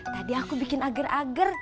tadi aku bikin ager ager